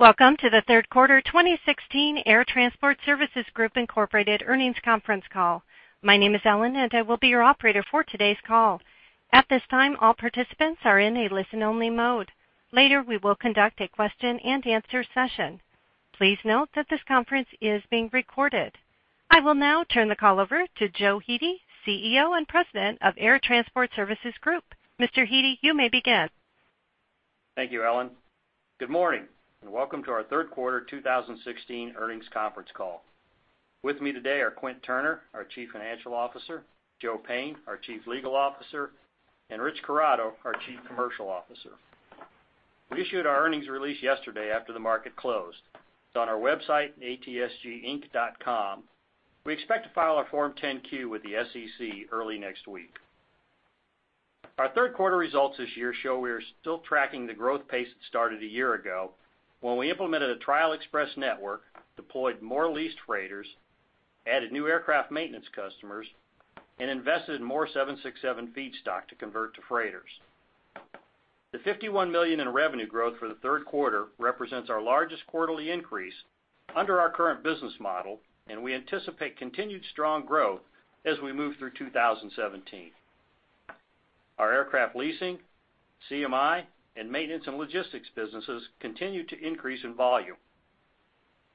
Welcome to the third quarter 2016 Air Transport Services Group Incorporated earnings conference call. My name is Ellen, and I will be your operator for today's call. At this time, all participants are in a listen-only mode. Later, we will conduct a question and answer session. Please note that this conference is being recorded. I will now turn the call over to Joe Hete, CEO and President of Air Transport Services Group. Mr. Hete, you may begin. Thank you, Ellen. Good morning, and welcome to our third quarter 2016 earnings conference call. With me today are Quint Turner, our Chief Financial Officer, Joe Payne, our Chief Legal Officer, and Rich Corrado, our Chief Commercial Officer. We issued our earnings release yesterday after the market closed. It's on our website, atsginc.com. We expect to file our Form 10-Q with the SEC early next week. Our third quarter results this year show we are still tracking the growth pace that started a year ago when we implemented a trial express network, deployed more leased freighters, added new aircraft maintenance customers, and invested in more 767 feedstock to convert to freighters. The $51 million in revenue growth for the third quarter represents our largest quarterly increase under our current business model, and we anticipate continued strong growth as we move through 2017. Our aircraft leasing, CMI, and maintenance and logistics businesses continue to increase in volume.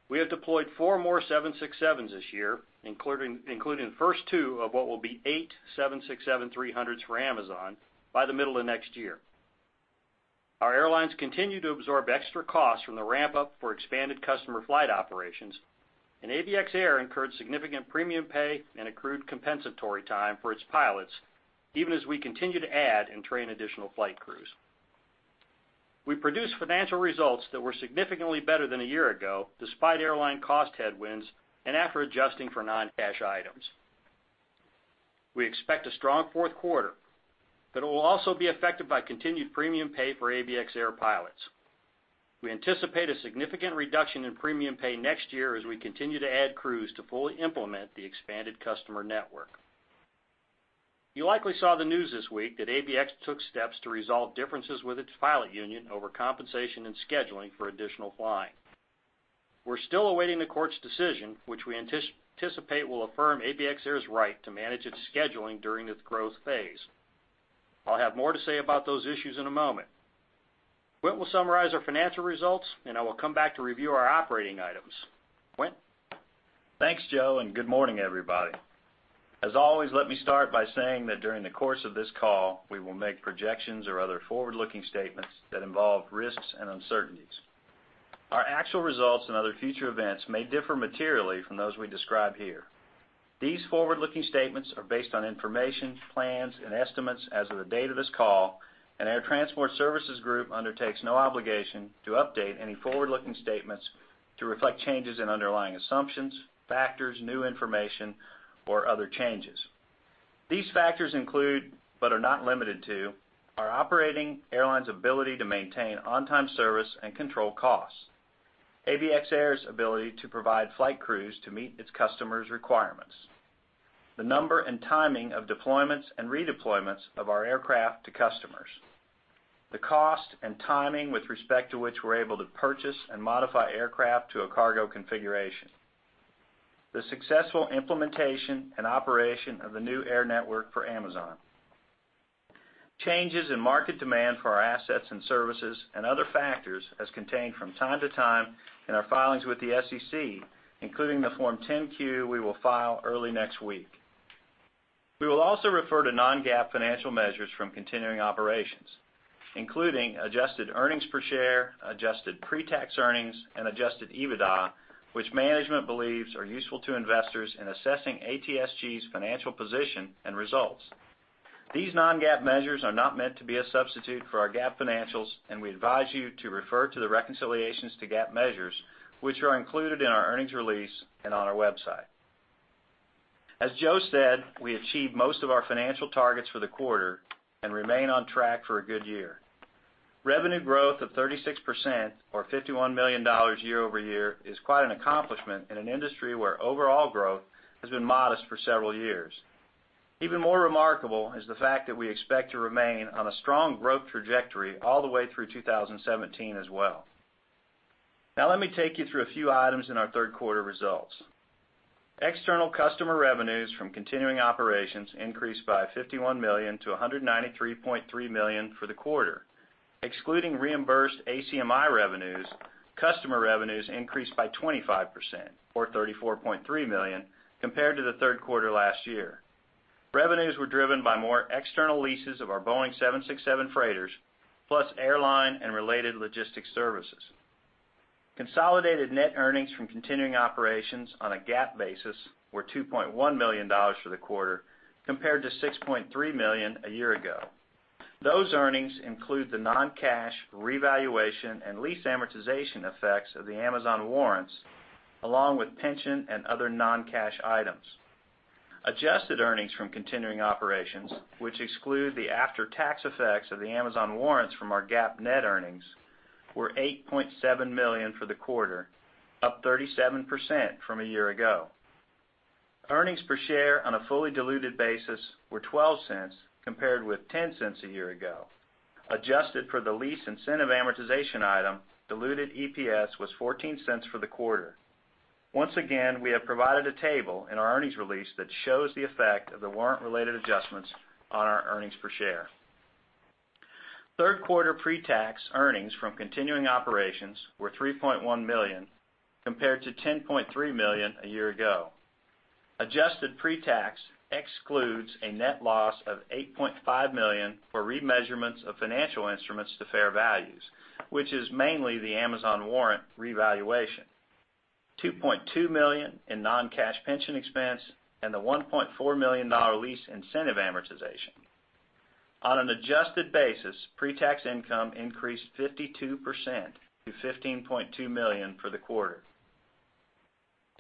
We have deployed four more 767s this year, including the first two of what will be eight 767-300s for Amazon by the middle of next year. Our airlines continue to absorb extra costs from the ramp-up for expanded customer flight operations. ABX Air incurred significant premium pay and accrued compensatory time for its pilots, even as we continue to add and train additional flight crews. We produced financial results that were significantly better than a year ago, despite airline cost headwinds and after adjusting for non-cash items. We expect a strong fourth quarter, but it will also be affected by continued premium pay for ABX Air pilots. We anticipate a significant reduction in premium pay next year as we continue to add crews to fully implement the expanded customer network. You likely saw the news this week that ABX took steps to resolve differences with its pilot union over compensation and scheduling for additional flying. We're still awaiting the court's decision, which we anticipate will affirm ABX Air's right to manage its scheduling during this growth phase. I'll have more to say about those issues in a moment. Quint will summarize our financial results. I will come back to review our operating items. Quint? Thanks, Joe. Good morning, everybody. As always, let me start by saying that during the course of this call, we will make projections or other forward-looking statements that involve risks and uncertainties. Our actual results and other future events may differ materially from those we describe here. These forward-looking statements are based on information, plans, and estimates as of the date of this call. Air Transport Services Group undertakes no obligation to update any forward-looking statements to reflect changes in underlying assumptions, factors, new information, or other changes. These factors include, but are not limited to, our operating airlines' ability to maintain on-time service and control costs, ABX Air's ability to provide flight crews to meet its customers' requirements, the number and timing of deployments and redeployments of our aircraft to customers, the cost and timing with respect to which we're able to purchase and modify aircraft to a cargo configuration, the successful implementation and operation of the new air network for Amazon, changes in market demand for our assets and services and other factors as contained from time to time in our filings with the SEC, including the Form 10-Q we will file early next week. We will also refer to non-GAAP financial measures from continuing operations, including adjusted earnings per share, adjusted pre-tax earnings, and adjusted EBITDA, which management believes are useful to investors in assessing ATSG's financial position and results. These non-GAAP measures are not meant to be a substitute for our GAAP financials. We advise you to refer to the reconciliations to GAAP measures, which are included in our earnings release and on our website. As Joe said, we achieved most of our financial targets for the quarter. We remain on track for a good year. Revenue growth of 36%, or $51 million year-over-year, is quite an accomplishment in an industry where overall growth has been modest for several years. Even more remarkable is the fact that we expect to remain on a strong growth trajectory all the way through 2017 as well. Let me take you through a few items in our third quarter results. External customer revenues from continuing operations increased by $51 million to $193.3 million for the quarter. Excluding reimbursed ACMI revenues, customer revenues increased by 25%, or $34.3 million, compared to the third quarter last year. Revenues were driven by more external leases of our Boeing 767 freighters, plus airline and related logistics services. Consolidated net earnings from continuing operations on a GAAP basis were $2.1 million for the quarter, compared to $6.3 million a year ago. Those earnings include the non-cash revaluation and lease amortization effects of the Amazon warrants, along with pension and other non-cash items. Adjusted earnings from continuing operations, which exclude the after-tax effects of the Amazon warrants from our GAAP net earnings, were $8.7 million for the quarter, up 37% from a year ago. Earnings per share on a fully diluted basis were $0.12 compared with $0.10 a year ago. Adjusted for the lease incentive amortization item, diluted EPS was $0.14 for the quarter. Once again, we have provided a table in our earnings release that shows the effect of the warrant-related adjustments on our earnings per share. third quarter pre-tax earnings from continuing operations were $3.1 million, compared to $10.3 million a year ago. Adjusted pre-tax excludes a net loss of $8.5 million for remeasurements of financial instruments to fair values, which is mainly the Amazon warrant revaluation, $2.2 million in non-cash pension expense, and the $1.4 million lease incentive amortization. On an adjusted basis, pre-tax income increased 52% to $15.2 million for the quarter.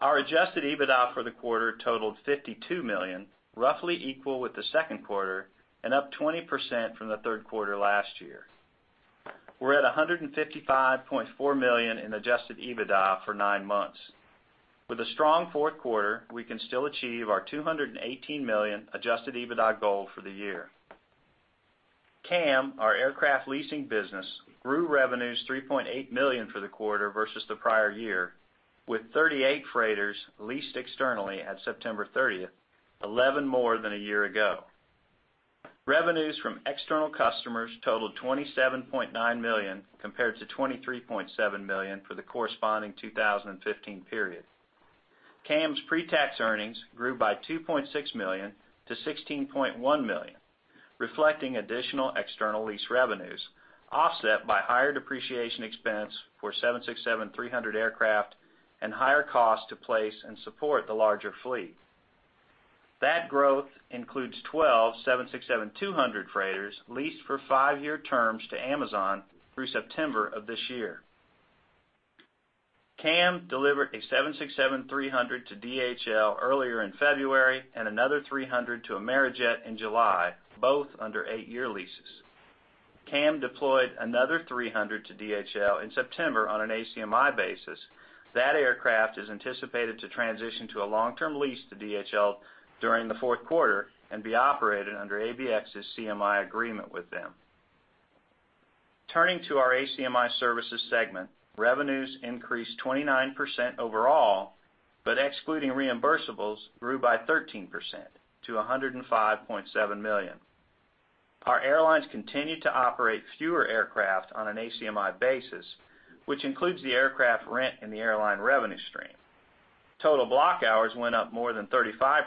Our adjusted EBITDA for the quarter totaled $52 million, roughly equal with the second quarter and up 20% from the third quarter last year. We're at $155.4 million in adjusted EBITDA for nine months. With a strong fourth quarter, we can still achieve our $218 million adjusted EBITDA goal for the year. CAM, our aircraft leasing business, grew revenues $3.8 million for the quarter versus the prior year, with 38 freighters leased externally at September 30th, 11 more than a year ago. Revenues from external customers totaled $27.9 million, compared to $23.7 million for the corresponding 2015 period. CAM's pre-tax earnings grew by $2.6 million to $16.1 million, reflecting additional external lease revenues, offset by higher depreciation expense for 767-300 aircraft and higher costs to place and support the larger fleet. That growth includes 12 767-200 freighters leased for five-year terms to Amazon through September of this year. CAM delivered a 767-300 to DHL earlier in February and another 300 to Amerijet in July, both under eight-year leases. CAM deployed another 300 to DHL in September on an ACMI basis. That aircraft is anticipated to transition to a long-term lease to DHL during the fourth quarter and be operated under ABX's CMI agreement with them. Turning to our ACMI services segment, revenues increased 29% overall, but excluding reimbursables, grew by 13% to $105.7 million. Our airlines continue to operate fewer aircraft on an ACMI basis, which includes the aircraft rent in the airline revenue stream. Total block hours went up more than 35%,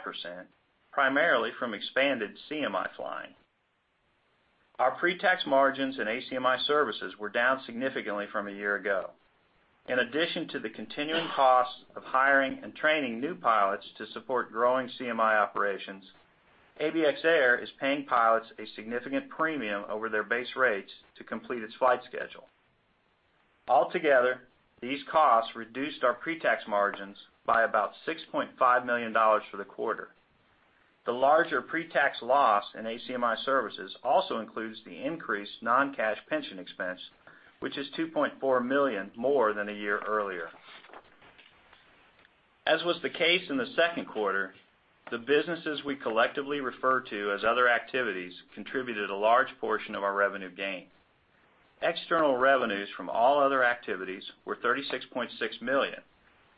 primarily from expanded CMI flying. Our pre-tax margins in ACMI services were down significantly from a year ago. In addition to the continuing costs of hiring and training new pilots to support growing CMI operations, ABX Air is paying pilots a significant premium over their base rates to complete its flight schedule. Altogether, these costs reduced our pre-tax margins by about $6.5 million for the quarter. The larger pre-tax loss in ACMI services also includes the increased non-cash pension expense, which is $2.4 million more than a year earlier. As was the case in the second quarter, the businesses we collectively refer to as other activities contributed a large portion of our revenue gain. External revenues from all other activities were $36.6 million,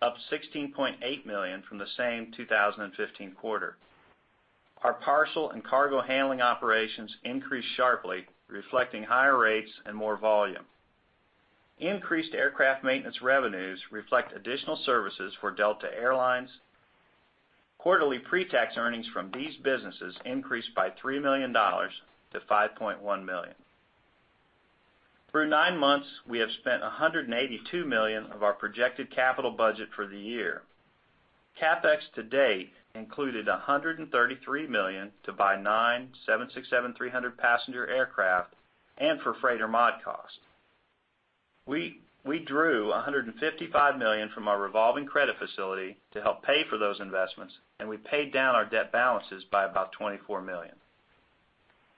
up $16.8 million from the same 2015 quarter. Our parcel and cargo handling operations increased sharply, reflecting higher rates and more volume. Increased aircraft maintenance revenues reflect additional services for Delta Air Lines. Quarterly pre-tax earnings from these businesses increased by $3 million to $5.1 million. Through nine months, we have spent $182 million of our projected capital budget for the year. CapEx to date included $133 million to buy nine 767-300 passenger aircraft and for freighter mod costs. We drew $155 million from our revolving credit facility to help pay for those investments, and we paid down our debt balances by about $24 million.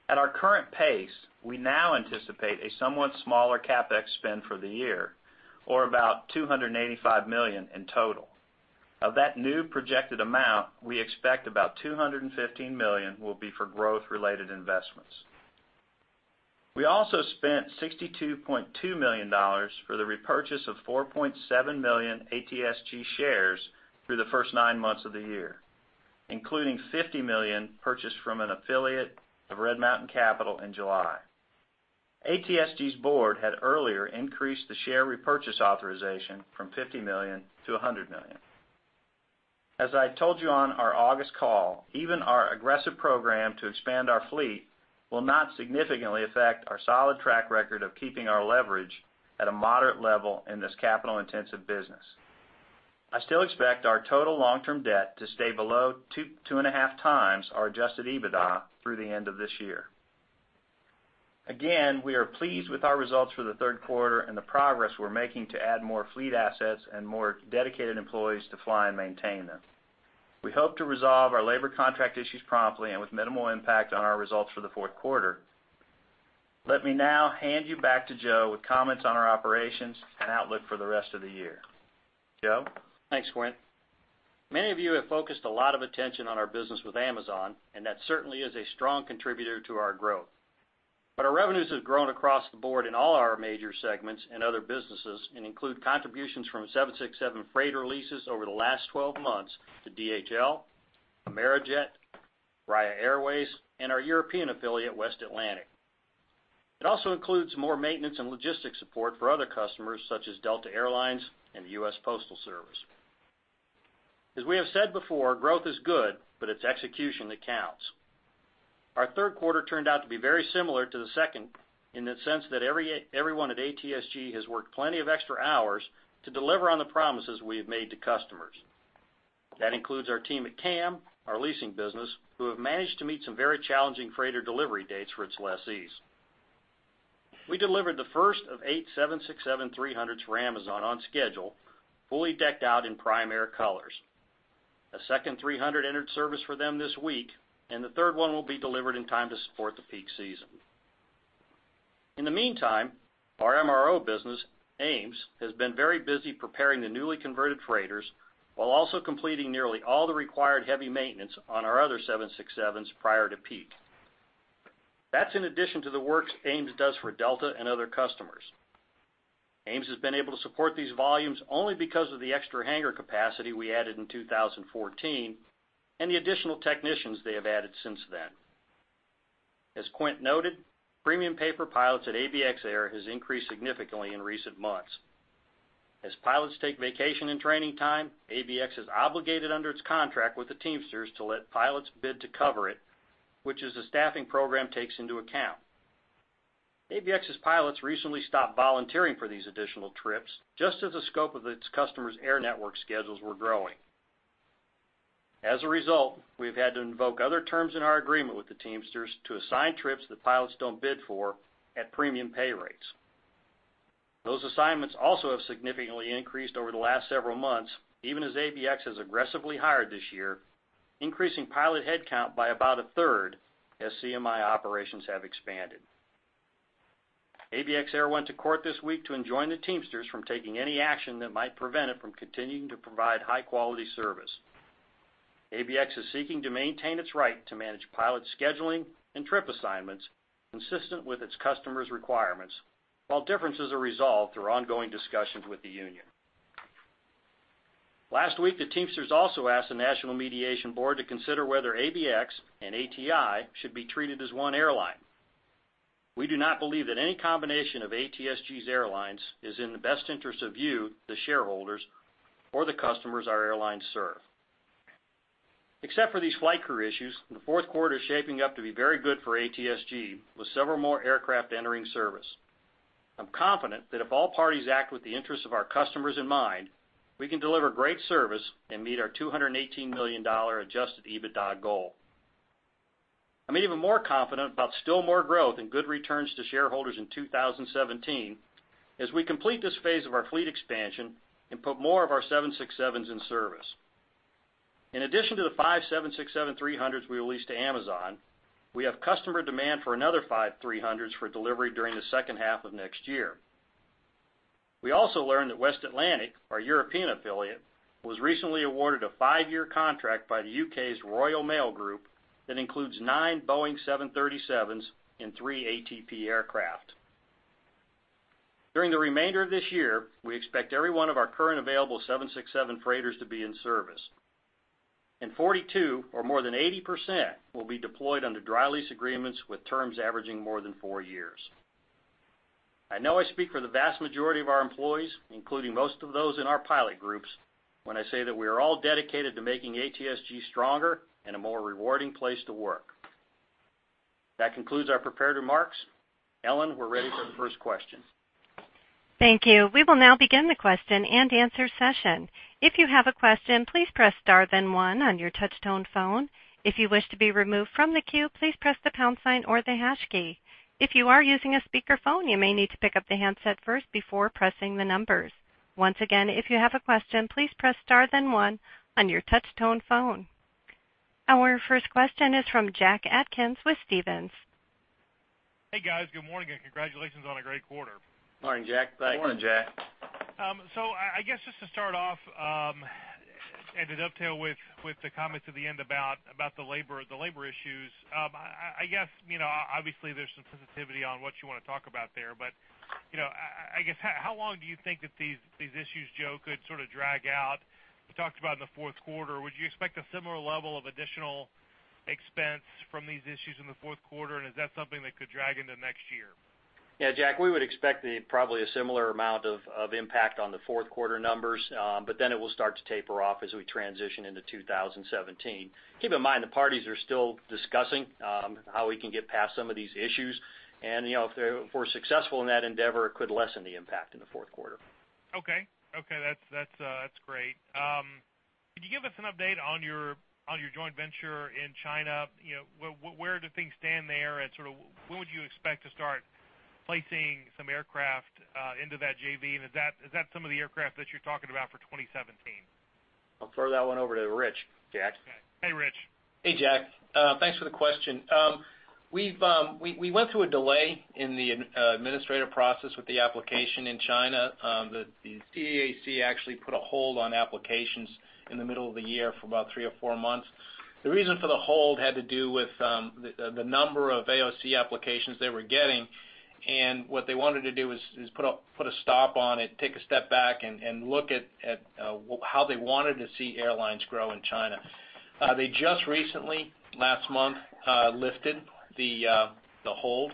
At our current pace, we now anticipate a somewhat smaller CapEx spend for the year, or about $285 million in total. Of that new projected amount, we expect about $215 million will be for growth-related investments. We also spent $62.2 million for the repurchase of 4.7 million ATSG shares through the first nine months of the year, including $50 million purchased from an affiliate of Red Mountain Capital in July. ATSG's board had earlier increased the share repurchase authorization from $50 million to $100 million. As I told you on our August call, even our aggressive program to expand our fleet will not significantly affect our solid track record of keeping our leverage at a moderate level in this capital-intensive business. I still expect our total long-term debt to stay below two and a half times our adjusted EBITDA through the end of this year. Again, we are pleased with our results for the third quarter and the progress we're making to add more fleet assets and more dedicated employees to fly and maintain them. We hope to resolve our labor contract issues promptly and with minimal impact on our results for the fourth quarter. Let me now hand you back to Joe with comments on our operations and outlook for the rest of the year. Joe? Thanks, Quint. Many of you have focused a lot of attention on our business with Amazon, and that certainly is a strong contributor to our growth. Our revenues have grown across the board in all our major segments and other businesses and include contributions from 767 freighter leases over the last 12 months to DHL, Amerijet, Raya Airways, and our European affiliate, West Atlantic. It also includes more maintenance and logistics support for other customers, such as Delta Air Lines and the US Postal Service. As we have said before, growth is good, but it's execution that counts. Our third quarter turned out to be very similar to the second, in the sense that everyone at ATSG has worked plenty of extra hours to deliver on the promises we have made to customers. That includes our team at CAM, our leasing business, who have managed to meet some very challenging freighter delivery dates for its lessees. We delivered the first of eight 767-300s for Amazon on schedule, fully decked out in Prime Air colors. A second 300 entered service for them this week, and the third one will be delivered in time to support the peak season. In the meantime, our MRO business, AMES, has been very busy preparing the newly converted freighters while also completing nearly all the required heavy maintenance on our other 767s prior to peak. That's in addition to the work AMES does for Delta and other customers. AMES has been able to support these volumes only because of the extra hangar capacity we added in 2014 and the additional technicians they have added since then. As Quint noted, premium pay for pilots at ABX Air has increased significantly in recent months. As pilots take vacation and training time, ABX is obligated under its contract with the Teamsters to let pilots bid to cover it, which the staffing program takes into account. ABX's pilots recently stopped volunteering for these additional trips, just as the scope of its customers' air network schedules were growing. As a result, we've had to invoke other terms in our agreement with the Teamsters to assign trips that pilots don't bid for at premium pay rates. Those assignments also have significantly increased over the last several months, even as ABX has aggressively hired this year, increasing pilot headcount by about a third as CMI operations have expanded. ABX Air went to court this week to enjoin the Teamsters from taking any action that might prevent it from continuing to provide high-quality service. ABX is seeking to maintain its right to manage pilot scheduling and trip assignments consistent with its customers' requirements, while differences are resolved through ongoing discussions with the union. Last week, the Teamsters also asked the National Mediation Board to consider whether ABX and ATI should be treated as one airline. We do not believe that any combination of ATSG's airlines is in the best interest of you, the shareholders, or the customers our airlines serve. Except for these flight crew issues, the fourth quarter is shaping up to be very good for ATSG, with several more aircraft entering service. I'm confident that if all parties act with the interests of our customers in mind, we can deliver great service and meet our $218 million adjusted EBITDA goal. I'm even more confident about still more growth and good returns to shareholders in 2017 as we complete this phase of our fleet expansion and put more of our 767s in service. In addition to the five 767-300s we released to Amazon, we have customer demand for another five 300s for delivery during the second half of next year. We also learned that West Atlantic, our European affiliate, was recently awarded a five-year contract by the U.K.'s Royal Mail Group that includes nine Boeing 737s and three ATP aircraft. During the remainder of this year, we expect every one of our current available 767 freighters to be in service. 42, or more than 80%, will be deployed under dry lease agreements with terms averaging more than four years. I know I speak for the vast majority of our employees, including most of those in our pilot groups, when I say that we're all dedicated to making ATSG stronger and a more rewarding place to work. That concludes our prepared remarks. Ellen, we're ready for the first question. Thank you. We will now begin the question and answer session. If you have a question, please press star then one on your touch tone phone. If you wish to be removed from the queue, please press the pound sign or the hash key. If you are using a speakerphone, you may need to pick up the handset first before pressing the numbers. Once again, if you have a question, please press star then one on your touch tone phone. Our first question is from Jack Atkins with Stephens. Hey, guys. Good morning. Congratulations on a great quarter. Morning, Jack. Thanks. I guess just to start off and to dovetail with the comments at the end about the labor issues, obviously, there's some sensitivity on what you want to talk about there. I guess, how long do you think that these issues, Joe, could sort of drag out? You talked about in the fourth quarter, would you expect a similar level of additional expense from these issues in the fourth quarter? Is that something that could drag into next year? Jack, we would expect probably a similar amount of impact on the fourth quarter numbers. It will start to taper off as we transition into 2017. Keep in mind, the parties are still discussing how we can get past some of these issues, and if we're successful in that endeavor, it could lessen the impact in the fourth quarter. Okay. That's great. Could you give us an update on your joint venture in China? Where do things stand there, and when would you expect to start placing some aircraft into that JV? Is that some of the aircraft that you're talking about for 2017? I'll throw that one over to Rich, Jack. Hey, Rich. Hey, Jack. Thanks for the question. We went through a delay in the administrative process with the application in China. The CAAC actually put a hold on applications in the middle of the year for about three or four months. The reason for the hold had to do with the number of AOC applications they were getting, and what they wanted to do is put a stop on it, take a step back and look at how they wanted to see airlines grow in China. They just recently, last month, lifted the hold.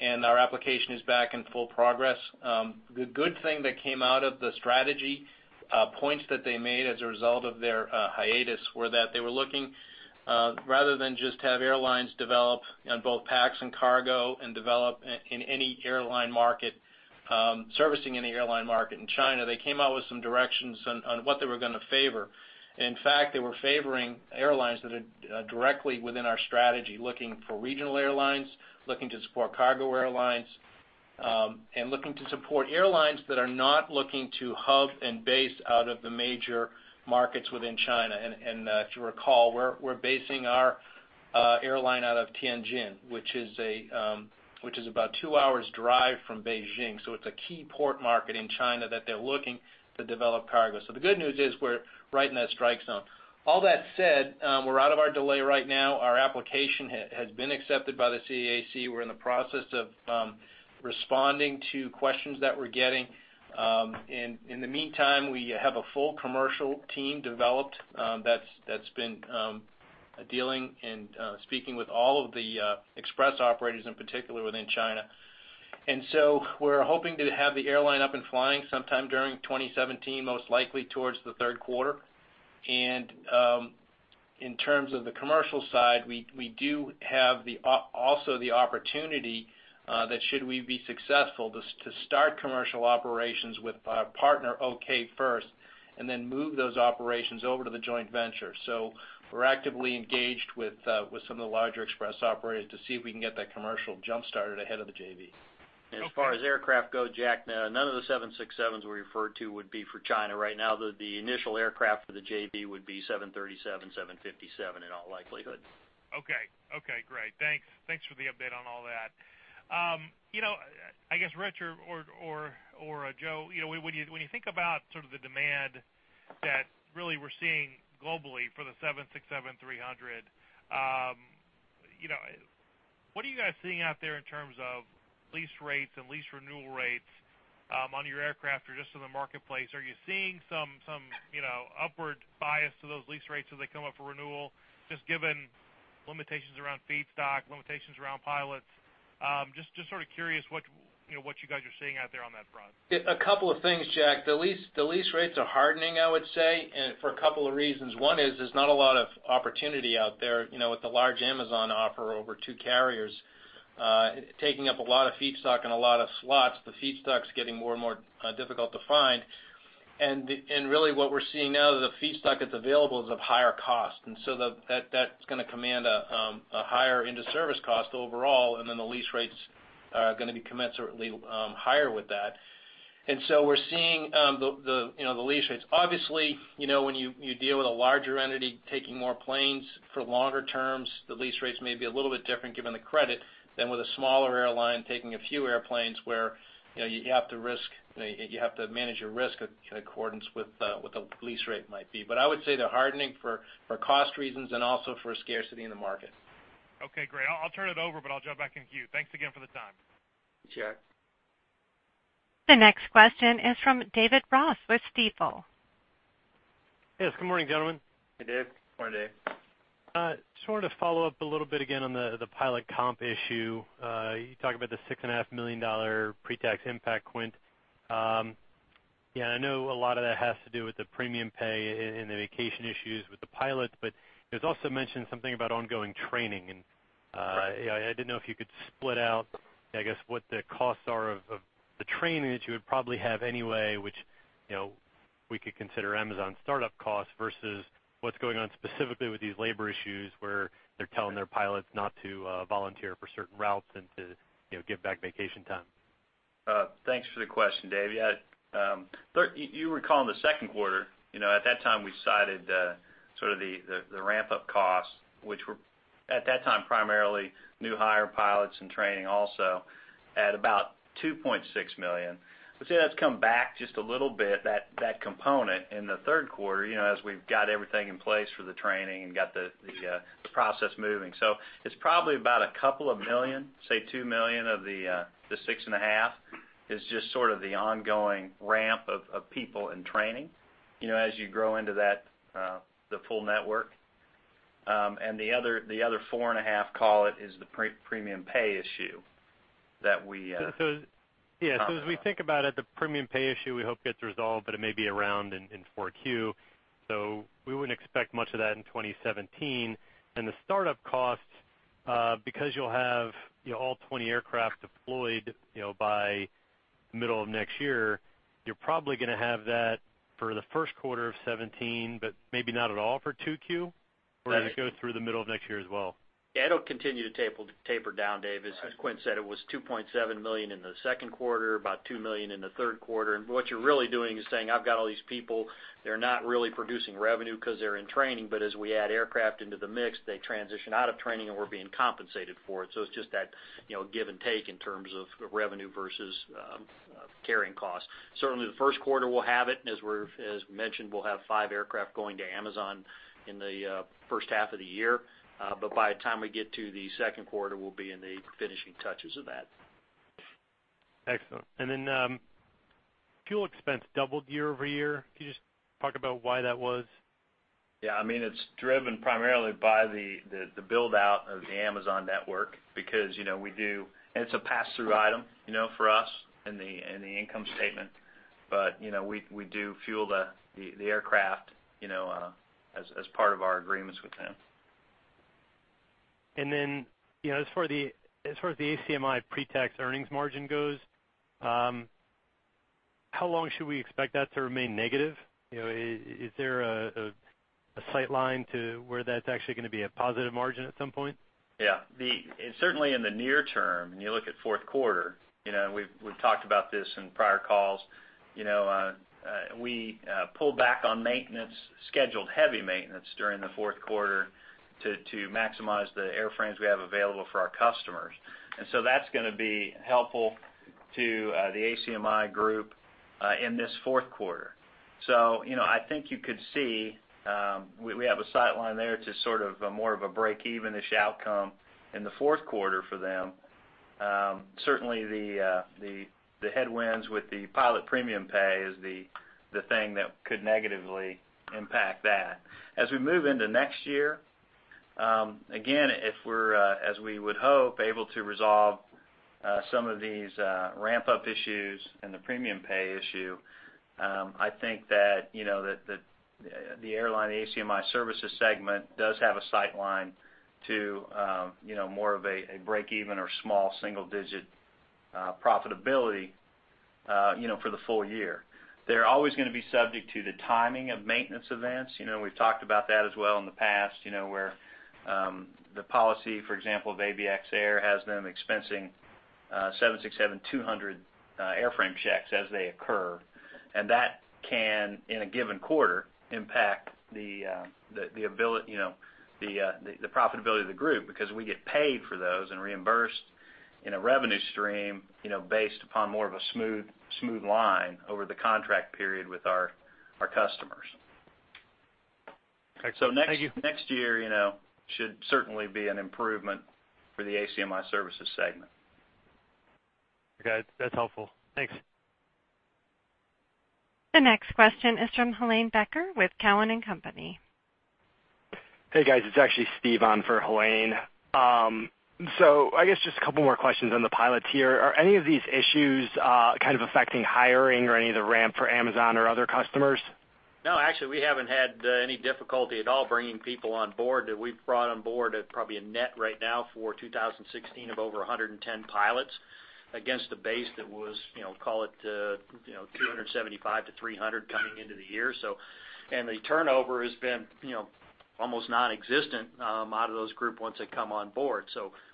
Our application is back in full progress. The good thing that came out of the strategy, points that they made as a result of their hiatus, were that they were looking, rather than just have airlines develop on both packs and cargo and develop in any airline market, servicing any airline market in China, they came out with some directions on what they were going to favor. In fact, they were favoring airlines that are directly within our strategy, looking for regional airlines, looking to support cargo airlines, and looking to support airlines that are not looking to hub and base out of the major markets within China. If you recall, we're basing our airline out of Tianjin, which is about two hours drive from Beijing, so it's a key port market in China that they're looking to develop cargo. The good news is we're right in that strike zone. All that said, we're out of our delay right now. Our application has been accepted by the CAAC. We're in the process of responding to questions that we're getting. In the meantime, we have a full commercial team developed, that's been dealing and speaking with all of the express operators, in particular within China. We're hoping to have the airline up and flying sometime during 2017, most likely towards the third quarter. In terms of the commercial side, we do have also the opportunity that should we be successful, to start commercial operations with our partner Okay First, and then move those operations over to the joint venture. We're actively engaged with some of the larger express operators to see if we can get that commercial jump-started ahead of the JV. Okay. As far as aircraft go, Jack, none of the 767s we referred to would be for China right now. The initial aircraft for the JV would be 737, 757 in all likelihood. Okay. Okay, great. Thanks. Thanks for the update on all that. I guess, Rich or Joe, when you think about sort of the demand that really we're seeing globally for the 767-300, what are you guys seeing out there in terms of lease rates and lease renewal rates on your aircraft or just in the marketplace? Are you seeing some upward bias to those lease rates as they come up for renewal, just given limitations around feedstock, limitations around pilots? Just sort of curious what you guys are seeing out there on that front. A couple of things, Jack. The lease rates are hardening, I would say, and for a couple of reasons. One is there's not a lot of opportunity out there, with the large Amazon offer over two carriers, taking up a lot of feedstock and a lot of slots. The feedstock's getting more and more difficult to find. Really what we're seeing now is the feedstock that's available is of higher cost. That's going to command a higher into service cost overall, and then the lease rates are going to be commensurately higher with that. We're seeing the lease rates. Obviously, when you deal with a larger entity taking more planes for longer terms, the lease rates may be a little bit different given the credit, than with a smaller airline taking a few airplanes where you have to manage your risk in accordance with what the lease rate might be. I would say they're hardening for cost reasons and also for scarcity in the market. Okay, great. I'll turn it over, but I'll jump back in queue. Thanks again for the time. Thanks, Jack. The next question is from David Ross with Stifel. Yes, good morning, gentlemen. Hey, Dave. Morning, Dave. Just wanted to follow up a little bit again on the pilot comp issue. You talked about the $6.5 million pre-tax impact, Quint. Yeah, I know a lot of that has to do with the premium pay and the vacation issues with the pilots. It was also mentioned something about ongoing training. Right I didn't know if you could split out, I guess, what the costs are of the training that you would probably have anyway, which we could consider Amazon's startup costs versus what's going on specifically with these labor issues where they're telling their pilots not to volunteer for certain routes and to give back vacation time. Thanks for the question, Dave. You recall in the second quarter, at that time, we cited sort of the ramp-up costs, which were at that time, primarily new hire pilots and training also at about $2.6 million. That's come back just a little bit, that component, in the third quarter, as we've got everything in place for the training and got the process moving. It's probably about a couple of million, say $2 million of the $6.5 million, is just sort of the ongoing ramp of people and training, as you grow into the full network. The other $4.5 million, call it, is the premium pay issue that we. As we think about it, the premium pay issue we hope gets resolved, it may be around in 4Q. We wouldn't expect much of that in 2017. The startup costs, because you'll have all 20 aircraft deployed by middle of next year, you're probably going to have that for the first quarter of 2017, maybe not at all for 2Q? Does it go through the middle of next year as well? It'll continue to taper down, Dave. Right. As Quint said, it was $2.7 million in the second quarter, about $2 million in the third quarter. What you're really doing is saying, "I've got all these people, they're not really producing revenue because they're in training." As we add aircraft into the mix, they transition out of training and we're being compensated for it. It's just that give and take in terms of revenue versus carrying costs. Certainly, the first quarter will have it. As mentioned, we'll have five aircraft going to Amazon in the first half of the year. By the time we get to the second quarter, we'll be in the finishing touches of that. Excellent. Fuel expense doubled year-over-year. Can you just talk about why that was? Yeah. It's driven primarily by the build-out of the Amazon network because we do. It's a pass-through item for us in the income statement. We do fuel the aircraft as part of our agreements with them. As far as the ACMI pre-tax earnings margin goes, how long should we expect that to remain negative? Is there a sight line to where that's actually going to be a positive margin at some point? Yeah. Certainly in the near term, when you look at fourth quarter, we've talked about this in prior calls. We pull back on maintenance, scheduled heavy maintenance during the fourth quarter to maximize the airframes we have available for our customers. That's going to be helpful to the ACMI group in this fourth quarter. I think you could see, we have a sight line there to sort of more of a break-even-ish outcome in the fourth quarter for them. Certainly, the headwinds with the pilot premium pay is the thing that could negatively impact that. As we move into next year, again, if we're, as we would hope, able to resolve some of these ramp-up issues and the premium pay issue, I think that the airline ACMI Services segment does have a sight line to more of a break-even or small single-digit profitability for the full year. They're always going to be subject to the timing of maintenance events. We've talked about that as well in the past, where the policy, for example, of ABX Air has them expensing 767-200 airframe checks as they occur. That can, in a given quarter, impact the profitability of the group, because we get paid for those and reimbursed in a revenue stream based upon more of a smooth line over the contract period with our customers. Thank you. Next year should certainly be an improvement for the ACMI services segment. Okay. That's helpful. Thanks. The next question is from Helane Becker with Cowen and Company. Hey, guys. It's actually Steve on for Helane. I guess just a couple more questions on the pilots here. Are any of these issues kind of affecting hiring or any of the ramp for Amazon or other customers? No, actually, we haven't had any difficulty at all bringing people on board. We've brought on board at probably a net right now for 2016 of over 110 pilots against a base that was, call it, 275-300 coming into the year. The turnover has been almost nonexistent out of those group once they come on board.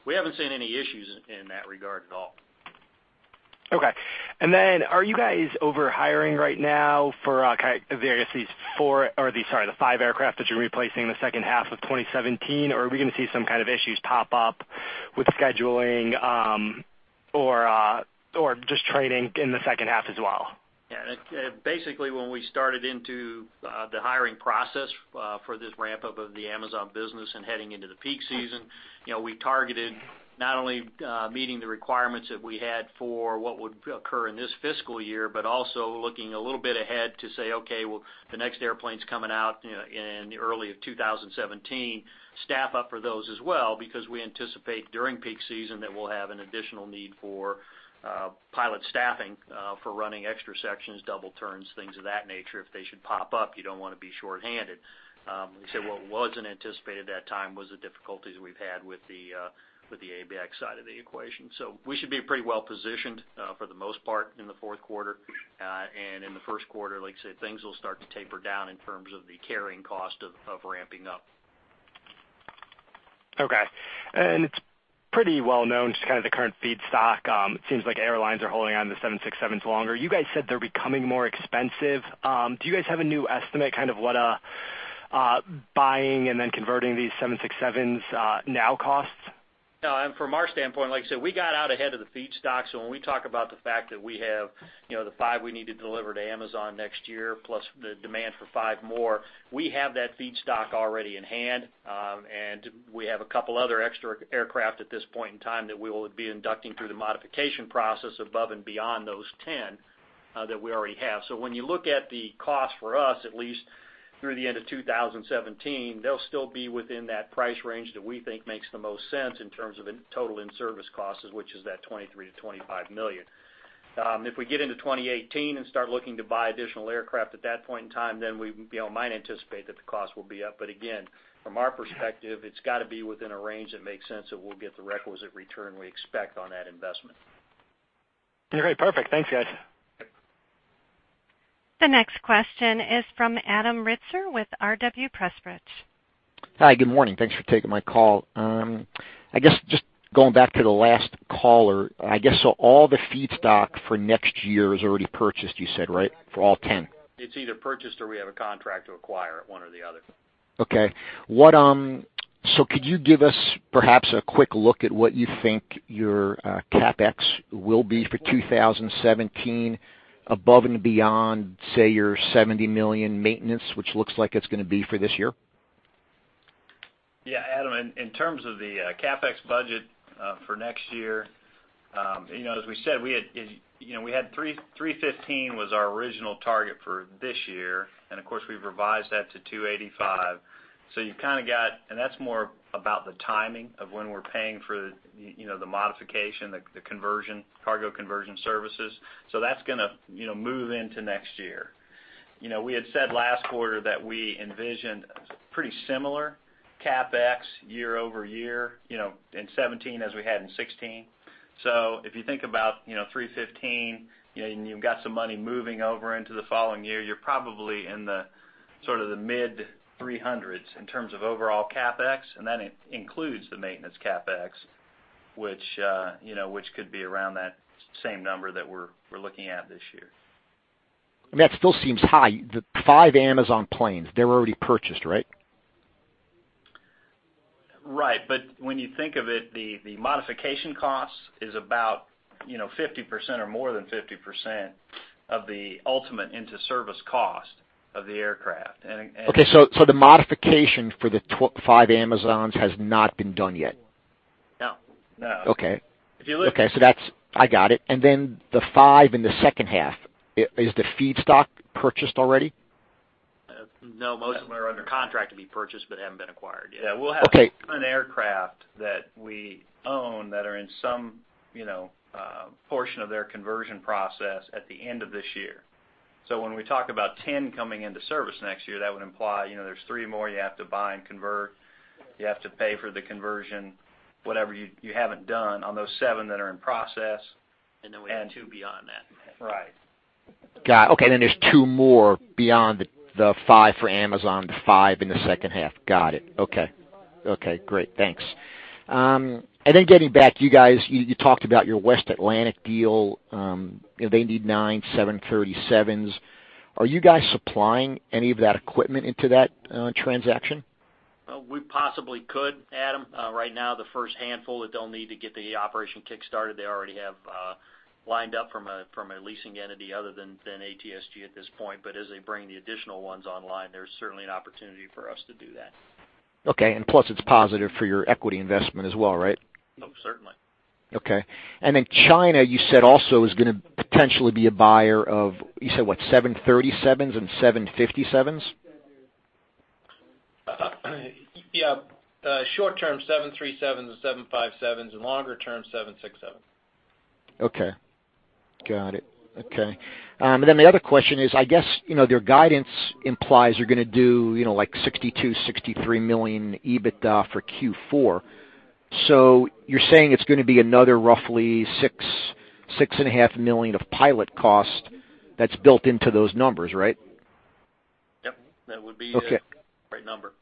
We haven't seen any issues in that regard at all. Okay. Are you guys over-hiring right now for various these four, or the, sorry, the five aircraft that you're replacing in the second half of 2017? Are we going to see some kind of issues pop up with scheduling, or just trading in the second half as well? Yeah. Basically, when we started into the hiring process for this ramp-up of the Amazon business and heading into the peak season, we targeted not only meeting the requirements that we had for what would occur in this fiscal year, but also looking a little bit ahead to say, "Okay, well, the next airplane's coming out in early of 2017, staff up for those as well," because we anticipate during peak season that we'll have an additional need for pilot staffing for running extra sections, double turns, things of that nature. If they should pop up, you don't want to be shorthanded. I'd say what wasn't anticipated that time was the difficulties we've had with the ABX side of the equation. We should be pretty well positioned for the most part in the fourth quarter. In the first quarter, like I said, things will start to taper down in terms of the carrying cost of ramping up. Okay. It's pretty well-known, just kind of the current feedstock. It seems like airlines are holding on to the 767s longer. You guys said they're becoming more expensive. Do you guys have a new estimate, kind of what buying and then converting these 767s now costs? No. From our standpoint, like I said, we got out ahead of the feedstock. When we talk about the fact that we have the five we need to deliver to Amazon next year, plus the demand for five more, we have that feedstock already in hand. We have a couple other extra aircraft at this point in time that we will be inducting through the modification process above and beyond those 10 that we already have. When you look at the cost for us, at least through the end of 2017, they'll still be within that price range that we think makes the most sense in terms of total in-service costs, which is that $23 million-$25 million. If we get into 2018 and start looking to buy additional aircraft at that point in time, we might anticipate that the cost will be up. again, from our perspective, it's got to be within a range that makes sense that we'll get the requisite return we expect on that investment. Okay, perfect. Thanks, guys. The next question is from Adam Ritzer with R.W. Pressprich. Hi, good morning. Thanks for taking my call. Just going back to the last caller, all the feedstock for next year is already purchased you said, right? For all 10. It's either purchased or we have a contract to acquire it, one or the other. Okay. Could you give us perhaps a quick look at what you think your CapEx will be for 2017 above and beyond, say, your $70 million maintenance, which looks like it's going to be for this year? Yeah, Adam, in terms of the CapEx budget for next year, as we said, $315 was our original target for this year, we've revised that to $285. That's more about the timing of when we're paying for the modification, the cargo conversion services. That's going to move into next year. We had said last quarter that we envisioned pretty similar CapEx year-over-year in 2017 as we had in 2016. If you think about $315, you've got some money moving over into the following year, you're probably in the sort of the mid-300s in terms of overall CapEx, and that includes the maintenance CapEx which could be around that same number that we're looking at this year. That still seems high. The five Amazon planes, they're already purchased, right? Right. When you think of it, the modification cost is about 50% or more than 50% of the ultimate into service cost of the aircraft. Okay, the modification for the 5 Amazons has not been done yet? No. Okay. I got it. The 5 in the second half, is the feedstock purchased already? No, most of them are under contract to be purchased but haven't been acquired yet. Okay. We'll have an aircraft that we own that are in some portion of their conversion process at the end of this year. When we talk about 10 coming into service next year, that would imply there's three more you have to buy and convert. You have to pay for the conversion, whatever you haven't done on those seven that are in process. We have two beyond that. Right. Got it. Okay, there's two more beyond the five for Amazon, the five in the second half. Got it. Okay. Okay, great. Thanks. Getting back, you guys, you talked about your West Atlantic deal. They need nine 737s. Are you guys supplying any of that equipment into that transaction? We possibly could, Adam. Right now, the first handful that they'll need to get the operation kick-started, they already have lined up from a leasing entity other than ATSG at this point. As they bring the additional ones online, there's certainly an opportunity for us to do that. Okay. Plus, it's positive for your equity investment as well, right? Oh, certainly. Okay. China, you said also is going to potentially be a buyer of, you said what, 737s and 757s? Yeah. Short term, 737s and 757s, longer term, 767s. Okay. Got it. Okay. The other question is, I guess, their guidance implies you're going to do like $62 million-$63 million EBITDA for Q4. You're saying it's going to be another roughly $6 million-$6.5 million of pilot cost that's built into those numbers, right? Yep. Okay. That would be the right number.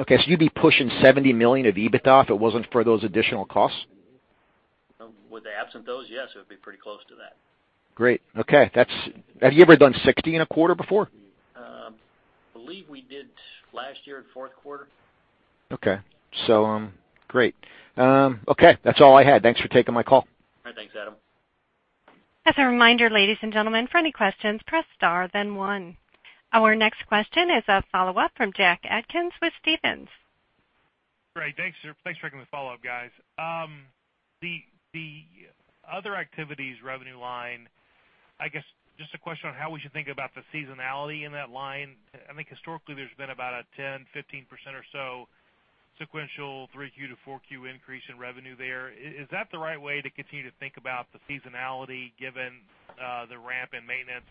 Okay. You'd be pushing $70 million of EBITDA if it wasn't for those additional costs? With the absent those, yes, it would be pretty close to that. Great. Okay. Have you ever done $60 in a quarter before? I believe we did last year in fourth quarter. Okay. Great. Okay. That's all I had. Thanks for taking my call. All right. Thanks, Adam. As a reminder, ladies and gentlemen, for any questions, press star then one. Our next question is a follow-up from Jack Atkins with Stephens. Great. Thanks for taking the follow-up, guys. The other activities revenue line, just a question on how we should think about the seasonality in that line. I think historically there's been about a 10%-15% or so sequential Q3 to Q4 increase in revenue there. Is that the right way to continue to think about the seasonality given the ramp in maintenance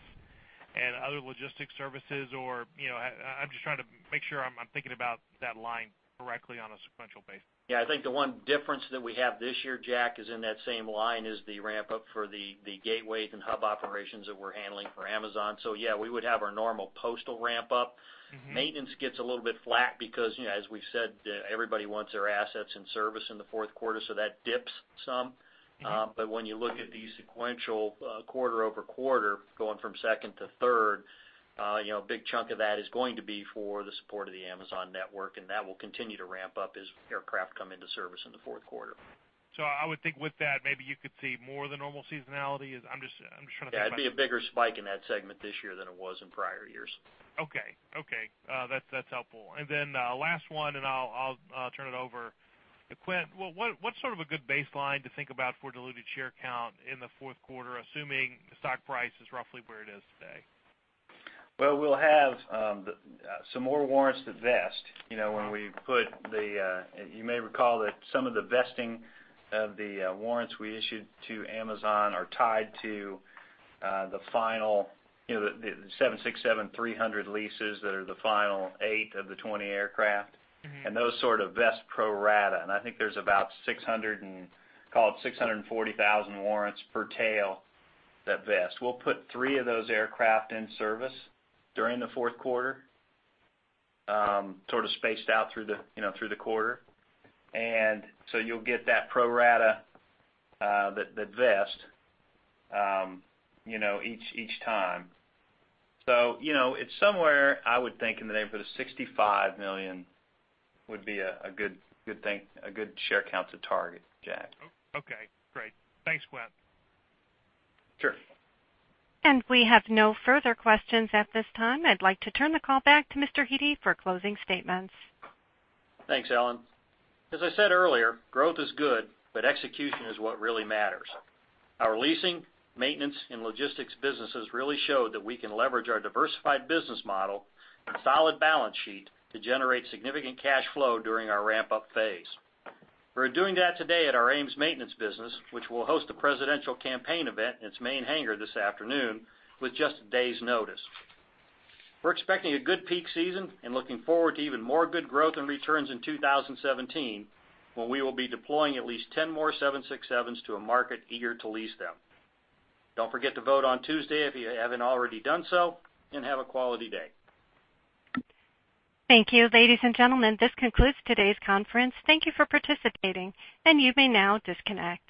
and other logistic services, or I'm just trying to make sure I'm thinking about that line correctly on a sequential basis. Yeah, I think the one difference that we have this year, Jack, is in that same line is the ramp up for the gateways and hub operations that we're handling for Amazon. Yeah, we would have our normal postal ramp up. Maintenance gets a little bit flat because, as we've said, everybody wants their assets in service in the fourth quarter, that dips some. When you look at the sequential quarter-over-quarter, going from second to third, a big chunk of that is going to be for the support of the Amazon network, and that will continue to ramp up as aircraft come into service in the fourth quarter. I would think with that, maybe you could see more than normal seasonality? Yeah, it'd be a bigger spike in that segment this year than it was in prior years. Okay. That's helpful. Last one, and I'll turn it over. Quint, what's sort of a good baseline to think about for diluted share count in the fourth quarter, assuming the stock price is roughly where it is today? Well, we'll have some more warrants to vest. You may recall that some of the vesting of the warrants we issued to Amazon are tied to the final 767-300 leases that are the final 8 of the 20 aircraft. Those sort of vest pro rata, I think there's about, call it 640,000 warrants per tail that vest. We'll put three of those aircraft in service during the fourth quarter, sort of spaced out through the quarter. You'll get that pro rata that vest each time. It's somewhere, I would think, in the neighborhood of 65 million would be a good share count to target, Jack. Okay, great. Thanks, Quint. Sure. We have no further questions at this time. I'd like to turn the call back to Mr. Hete for closing statements. Thanks, Ellen. As I said earlier, growth is good, but execution is what really matters. Our leasing, maintenance, and logistics businesses really show that we can leverage our diversified business model and solid balance sheet to generate significant cash flow during our ramp-up phase. We're doing that today at our AMES maintenance business, which will host a presidential campaign event in its main hangar this afternoon with just a day's notice. We're expecting a good peak season and looking forward to even more good growth and returns in 2017, when we will be deploying at least 10 more 767s to a market eager to lease them. Don't forget to vote on Tuesday if you haven't already done so, and have a quality day. Thank you. Ladies and gentlemen, this concludes today's conference. Thank you for participating, and you may now disconnect.